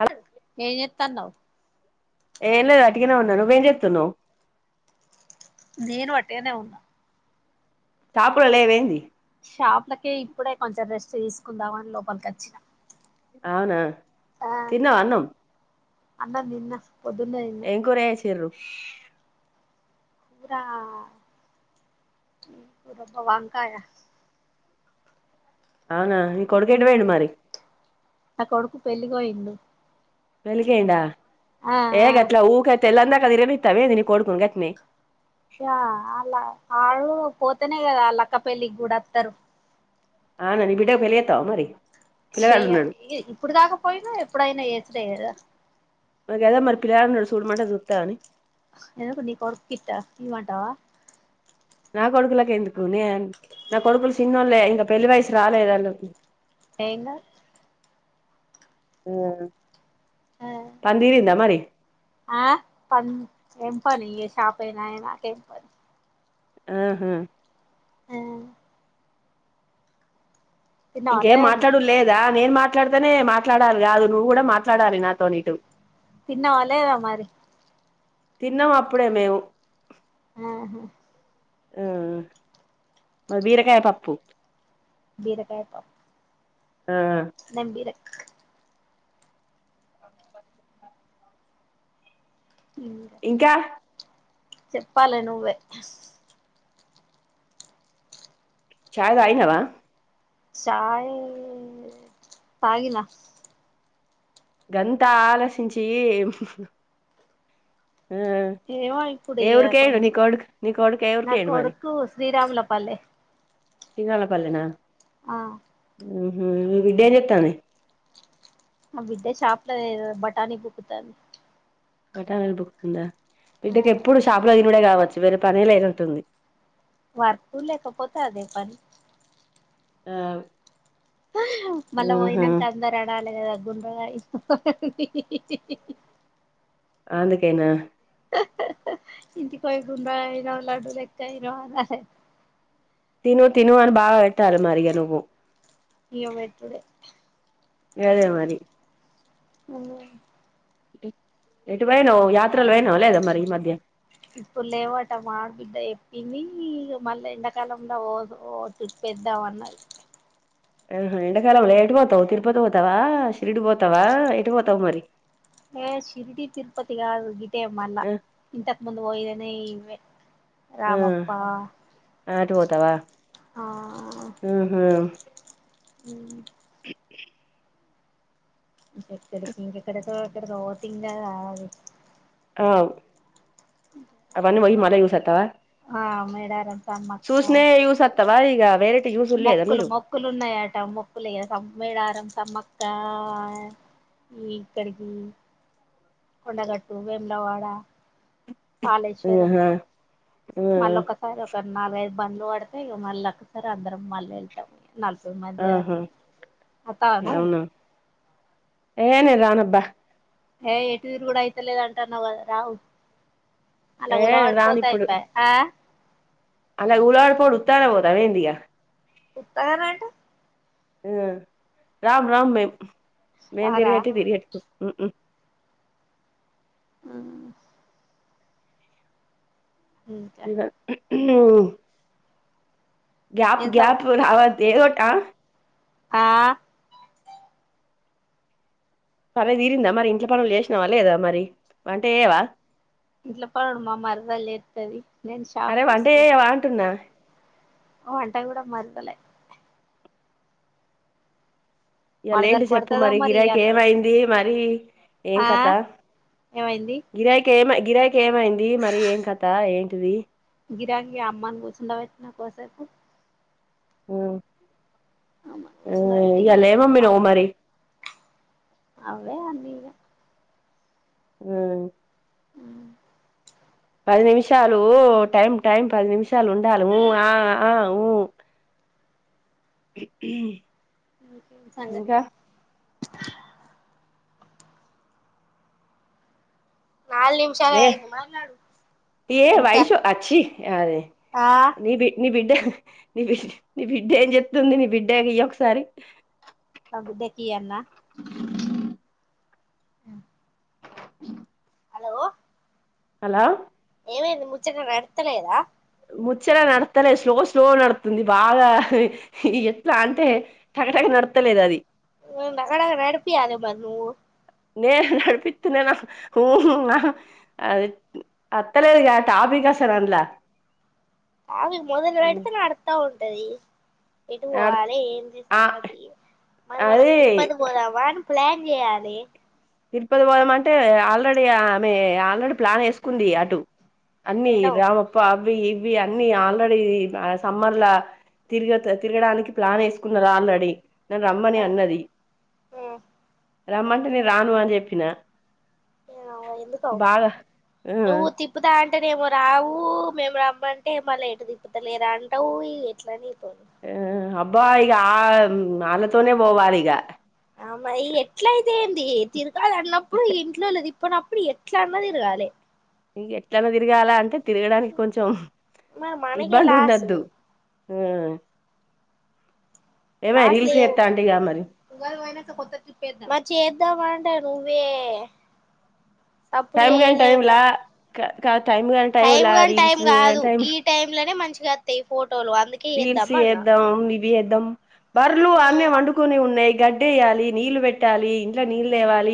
Hello ఎ చేతనావ్ ఏం లేద్ ఓటిగనే ఉన్నా నుఏం చేతనవ్ నేను వట్టిగానే ఉన్నా షాపుల లెవ్ ఏంది షాప్లకే ఇప్పుడే కొంచెం రెస్ట్ తీసుకుందాం అని లోపల్క ఓచ్చిన అవునా తిన్నవ అన్నం అన్నం తిన్న పొద్దున్నే తిన్న ఎం కూర చేసిరూ కూర ఏం కూర అబ్బా వంకాయ అవ్న నీ కొడుకేటు పోయిండు మరి నా కొడుకు పెళ్లికిపోయిండు పెళ్లికిపోయిన్డ ఏ ఆ గట్లా ఊకె తెలందంక్ తీర్గనితవ ఏంది ని కోడుకున్ గట్ట్నే ఆ అలా అడు పోతేనే కదా ఆలక్క పెళ్లిికి కూడా ఒతారు అవున ని బిడకి పెళ్లి చేతవ మరి పిల్లగాడు ఉన్నడు చేయాలి ఇప్పుడుకాక పోయినా ఎప్పుడయిన చేసుడే కదా. మర్ గదే మరి పిల్లగడ్ ఉనడ్ సూడ్ మంటె సుస్తవ అని ఎందుకు నీ కొడుకు గిట్ట ఇయ్యమంటావా నా కొడుకులకు ఎందుకు నే నా కొడుకులు చిన్నోల్లే ఇంక పెళ్లి వయసు రాలేదు అళ్ళకు ఏంగా ఆ ఆ పందిరిందా మరి ఆ పన్ ఏంపనీ ఇగ షాపెనాయే నాకెంపని ఆహా ఆ తిన్నావా ఇంకేం లేదా నువ్వు మాట్లాడడు లేదా నేను మాట్ మాట్లాడితనే మాట్లాడాలి కాదు నువ్వు కూడా మాట్లాడాలి నాతోనీటు తిన్నావా లేదా మరి తిన్నాం అప్పుడే మేము ఆహా ఆ మద్ బీరకాయ పప్పు బీరకాయ పప్పు ఆ నేను బీర ఇంకా చెప్పాలి నువ్వే ఛాయ్ తాగినావ? ఛాయ్ తాగిన గంతా ఆలోచించీ ఎమ్ ఆ ఏమో ఇప్పుడు ఏ ఇగ ఊరికేయిండు నీ కొంచెం కొడుకు నీ కొడుకు ఏ నా ఊరికేయిండు మరి కొడుకు శ్రీరాముల పల్లె శ్రీరాముల పల్లెన ఆ ఉహు మీ బిడ్డేం చేతాంది? మా బిడ్డే షాప్లయి బటాని బుక్కుతాంది. బటానిలు బుక్తుందా మి ఆ బిడ్డకెప్పుడు షాపు లో దినుడే కావచ్చు వేరే పనేలేనట్టుంది. వర్కు లేకపోతె అదే పని ఆవ్ మల్ల వోయినంక అందరనాలేదన్ గుండ్రాయి అహ్హ్హహిహిహిహి ఆందుకేనా హ్హ్హ్ ఇంటికిబోయి గుండ్రాయయినవ్ లడ్డు లెక్కయ్యినవ్ అనె తిను తిను అని బాగ పెట్టాల మరి ఇగ నువ్వు ఇగ పెట్టుడే గదే మరి ఉహుమ్ ఎటువోయినవ్ యాత్రలు పోయినవ లేదా మరి ఈ మధ్య? ఇప్పుడు లేవట మా ఆడబిడ్డ చెప్పింది మళ్ళీ ఎండకాలంలో ఓదు ఓదు తి ఇద్దాం అన్నది. ఆహ ఎండాకాలం లెటు పోతవు తిరుపతి పోతవా, షిరిడి పోతావా, ఎటు పోతవు మరి? ఏ శిరిడి, తిరుపతిగాదు గిటే మల్ల ఆ ఇంతకు ముందు పోయినదే ఇవే. ఆ రామప్ప అటు పోతవా ఆ ఉహు ఉమ్ ఇంకెక్కడికి ఇంకెక్కడికో, ఎక్కడికో పోతిం కదా. ఆ అవన్న వోయ్యి మల్ల చూసోత్తవ ఆ మేడరం సూష్ణయే సూసొత్తవ ఇగ వేరే మొక్కులు మొక్కులున్నాయట. మొక్కులు ఇగ సంమ్మేడారం సమ్మ త ఈక్కడికి కొండగట్టు వేములవాడ కాళేశ్వరం ఆహా ఆ మళ్ళోకసారి ఒక నాలుగైదు బండ్లు వడ్తయ్ ఇగ మళ్ళోకసారి అందరం మల్లెల్తమ్ [unintelligible] ఆహా మధ్యదాక ఒత్తవా నువ్ అవునా ఏ నేన్ రానబ్బా ఏ ఎటు తిరుగుడైతలేదంటన్నావ్ గద రావ్ అలా ఏ నేను గులపాడి రాను ఇప్పుడు పోతెఉంటై ఆ అలా గులా పడి పోడు ఉత్తగనే పోతావ ఏందిగా. వుత్తాగనే అంటే? ఆ రామ్ రామ్ మేమ్ మేం రారా తిరుగిట్టి తిరిగిట్ ఉ ఉ ఆ ఇంకా ఇంగ గ్యాప్ ఏం సం గ్యాప్ రావద్దు ఏదోటి ఆ ఆ సరే తీరిందా మరి ఇంట్ల పనులు చేసినావా లేదా మరి వంట జేయవ ఇంట్ల పనులు మా మర్దలు చెత్తది నేను షాపు అరే వంట చూసుకుంటా చేయవా అంటున్నా వంట కూడా మర్దలే మరదలు ఇయ్యలేంటి చెప్పు కొడతదో మరి గిరాకి ఇయ్యాల ఏమైంది మరి ఏం ఆ కథ ఏమైంది గిరాకి ఏమ గిరాకి ఏమైంది మరి ఏం కథ ఏంటిది గిరాకి అమ్మాని కూర్చుండ పెట్టినా కోసేపు అ అమ్మని మ్ కూర్చుండబెట్టి ఇయాల ఎం అమ్మినవ్ మరి అవ్వే అన్ని ఇగ మ్ పది నిమిషాలు టైమ్ టైం పది నిమిషాలు ఉండాలి మ్ అ ఉ ఆ ఉ ది సంగత్ ఇంకా నాలుగు నిమిషాలు అయింది మట్లడు తె వైషూ ఆ ఆచ్చి అది ఆ నిబి నీ బిడ్డ నీ బిడ్ నీ బిడ్డ ఏం చెప్తుంది నీ బిడ్డకియ్యి ఒకసారి నా బిడ్డకియన్న ఆ హలో హలో ఏమైంది ముచ్చట నడుత్తలేదా ముచ్చట నడుత్తలేదు స్లో స్లో నడుతుంది బాగా ఈ ఎట్లా అంటే టకటక నడ్తలేదది టకటక నడపియాలె మరి నువ్వు నేను నడిపితున్నా ఉన్న అది అత్తలేదుగా టాపిక్ గసలాండ్ల టాపిక్ మొదలు పెడితే నడుత్త ఉంటది ఎటుపోవాలే ఏందీ ఆ సంగతి మరి మనం అది తిరుపతి పోదామా ప్లాన్ చేయాలి తిరుపతి పోదమంటే ఆల్రెడీ ఆమె ఆల్రెడీ ప్లాన్ వేసుకుంది అటు అన్నీ ఎటో రామప్ప అవి ఇవి అన్ని ఆల్రెడీ సమ్మర్ల తిరుగత తిరుగడానికి ప్లాన్ ఎసుకున్నాది ఆల్రెడీ నన్ రమ్మని అన్నది రమ్మంటే నేను రాను అని జెప్పిన ఏమవో ఎందుకో ఆ నువ్ తిప్పుతన్ అంటెనెమొ రావు మేము రమ్మంటే మళ్ళ ఎటు తిప్పుతలేరు అంటావు ఎట్ల నీతోని ఆ అబ్బా ఈగ ఆ ఆళ్లతోనే పోవాలిగా ఆహ్ మరి ఎట్లయితే ఏందీ తిరగాలి అన్నప్పుడు ఇగ ఇంట్లోలు తీస్. మరి అప్పుడు ఎట్లాన్న తిరగాలే. ఇగ ఎట్లనా తిరగాల అంటే తిరగడానికి కొంచెం మరి మనకే ఇబ్బంది లాసు ఉండోద్దు. ఆహ్. లాస్ట్ లె మరి చేద్దామంటే. స నువ్వే అప్పుడు టైం కాని టైంలా చేలేమని కా టైం కాని టైం టైంలా గాని టైం రీల్స్ కాదు టైం గీ టైమ్ లనే మంచ్ జతై ఫోట్ రీల్స్ చేద్దాం ఇవి చేద్దాం బర్లు ఆన్నే పండుకొని ఉన్నాయ్ గడ్ డ్డేయాలి నీళ్లు పెట్టాలి ఇంట్ల నీళ్ళు దేవాలి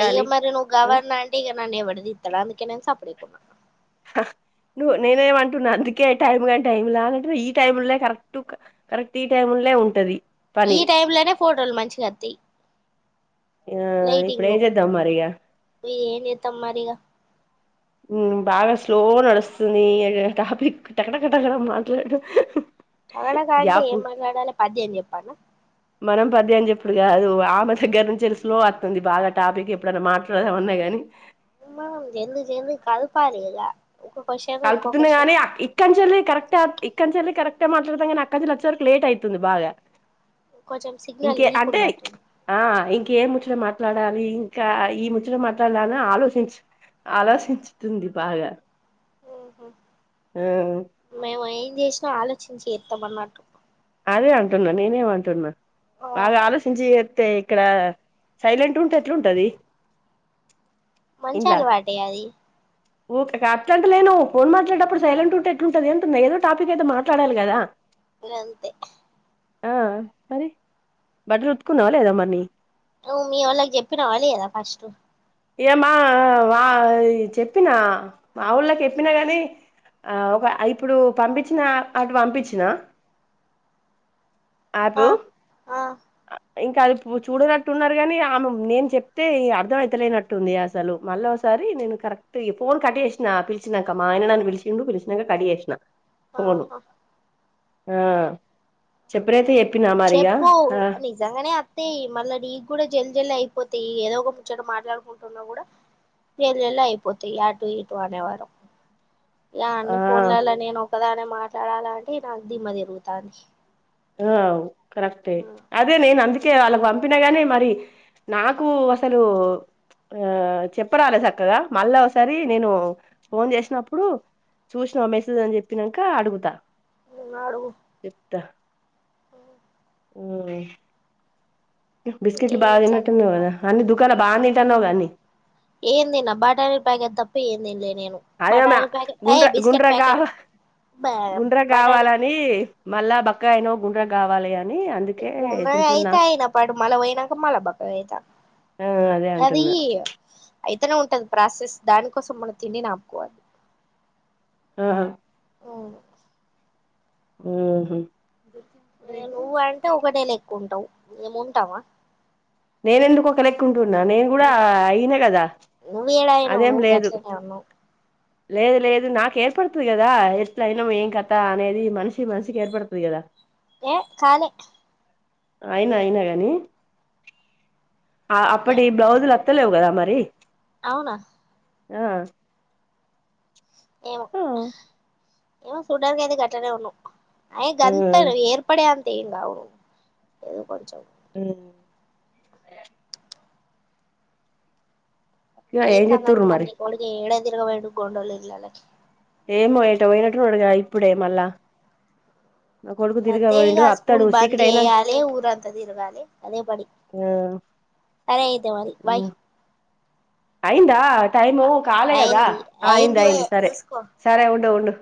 అయ్య మరి నువ్వు గవ్వని అంటే ఇగ నాన్ ఎవడుదిత్తడు అందుకె నేను సాప్పడ్దేకున్న. నువ్వు నేనేమంటున్నా అందుకే టైమ్ గని టైమ్లా ఈ టైమ్ల్ కరెక్ట్ కరెక్ట్ ఈ టైం. లే ఉంటది. ఈ పని టైమ్ లానే ఫోటోలు మంచిగొత్తయి. ఆ ఇప్పుడు లైటింగు ఏం చేద్దాం మరి ఇగ ఇగ ఎంజేతం మరిగా. ఉమ్ బాగా స్లో నడుస్తుంది టాపిక్ టకటకటకడక మాట్లాడు. టకటక అంటే గ్యాప్ ఏం మాట్లాడాలే పద్యం జేపాల్న. మనం పద్యాము జెప్పుడు గాదు ఆమె దెగ్గర నుంచే స్లో ఒత్తుంది బాగా టాపిక్ ఎప్పుడైనా మాట్లాడుదాం ఆన్నా గాని. ఉమ్ జిల్ది జిల్ది కలిపాలి గదా. కాల్పుతున్న గాని అ ఇక్కడ్నుంచ్చాలి కరెక్ట్ ఇక్కనుంచాలి కరెక్ట్. అట్టే మాట్లాడతాం గని అక్కడ్నుంచ్చే వరకు లేట్ అవుతుంది బాగా. కొంచెం సిగ్నల్ ఇంకే వీక్ అంటే ఉన్నట్టుంది ఆహ్ ఇంకేం ముచ్చట మా. మాట్లాడాలి ఇంకా ఈ ముచ్చట మాట్లాడాలని ఆలోచించు. ఆలోచించుతుంది బాగా. ఉమ్ ఆ మేము ఏం జెసిన ఆలోచించి జేత్తమన్నమాట. అదే అంటున్నా నేనేమంటున్నా ఆ బాగా ఆలోచించిజెతే. ఇక్కడ సైలెంట్ గుంటే ఎట్లాంటది. మంచాలవాటే అది. ఓకే అట్ల అంటలేను ఫోన్ మాట్లాడటప్పుడు సైలెంట్ ఉంటే ఎట్లుంటది అంటున్నా ఏదో టాపిక్కైతే మాట్లాడాలి గదా. అంతే. ఆహ్ మరి బట్టలు ఉతుకున్నావ లేదా మరి. నువ్వు మీ వోళ్ళకి జెప్పినవ లేదా ఫస్ట్. ఇయమ్మా మా చెప్పినా మాఓళ్ళకి ఎప్పినా గానీ. ఆహ్ ఒక ఐ ఇప్పుడు పంపించిన అటు వంపించినా. ఆగు. ఆ ఆ ఇంకా అవిట్ము చూడనట్టున్నారు గాని ఆమె మేం చేప్తే అర్థం అయితలేనట్. ఉంది అసలు మళ్ళోసారి నేను కరెక్ట్ జీప్ ఫోన్ కటే చేశ్నా పిలిచినాక మా ఆయన్న నన్ను పిలిచిండు పిలిచినాంక. కట్ చేసిన. ఆహా. ఆహ్ చెప్పునైతే చెప్పిన. చెప్పు నిజంగానే అత్తాయి మళ్ళా నీక్ గూడా జల్ జల్లి అయిపోతాయి ఏదో. కూర్చొని మాట్లాడుకుంటున్నా కూడా. వేల్వెళ్ళ అయిపోతై ఆటు ఇటు అనేవరకు. ఇగా అన్ని ఆ ఫోన్లలా నేను ఒకదానే మాట్లాడాలాంటే నా దిమ్మ దిరుగుతాంది. అవ్ కరెక్టే అదే నేన్ అంద్. కే వాళ్ళక్ పంపినగానీ మరి నాకు అసలు. ఆహ్ చెప్పరాలే సక్కగా మళ్ళా ఒసారి నేను ఫోన్ జెసినప్పుడు. చూషినావ మెసేజ్ అని చెప్పినంకా అడుగుతా. ఉమ్ అడుగు. దా ఉమ్ ఇంకా బిస్కెట్లు బాగా ఏం సంగతి తినట్టున్నావు గదా మరి అన్ని దుకాంల బాగా దింటాన్నావ్ గా అన్ని ఏం దిన్న బాటాని ప్యాకెట్ దప్ప ఏం దిన్లేద్ అయన గుండ్ర ప్యాకెట్ గుండ్రగావ్. గుండ్రంగా బటానీ కావాలని మళ్ళా బక్కయినవు గుండ్రం కావాలి అని. అందుకే గుండ్రగ తింటున్నా అయితే అయినా పట్టు పోయినాంక మల్ల బక్కగైత. ఆహ్ అదేఅంటున్న. అయితేనే ఉంటది ప్రాసెస్ దానికోసం మనం తిండిని ఆపుకోవాలి ఆహా ఉహు నువ్వు అంటే ఒకటేలెక్క ఉంటవు మేము ఉంటామ నేనేందుకు ఒకలేక్కుంటున్నా నేను కూడా అయినా కదా ఏడయినావు అదేం నువు లేదు గట్నే ఉన్నవు లేదు లేదు నాకు ఏర్పడుతది కదా ఎట్ల అయినవు ఏం కథ అనేది మనిషి మనిషికి ఏర్పడుతది కదా ఏ కాలే అయినా అయినగని ఆ అప్పటి బ్లౌజులు వ త్తలేవు గద మరి అవునా ఆ ఏమొ ఆ ఏమొ సూడానికయితే గట్ల నే ఉన్నవు అయ గంత్ ఏర్పడే అంతఏంకావు ఏదో కొంచెం ఉ ఇగ ఏం ఏన్ సంగది చెత్తుర్రు మరి ని కొడుకు ఏడ తిరగవోయిండు గోండోల ఇండ్లల్లకి ఏమొ ఎటోపోయినట్టుగొడు ఇప్పుడే మల్ళ అంతే ఇగ స్కూల్ బంద్ అయినా చేయ్యాలి ఊరుఅంతతిరగాలి అదే బడి ఆ సరే అయితే మరి బై అయిందా టైము కాలే కదా అయింది అయింద అయింది సరే చూసుకో సరే ఉండు ఉండు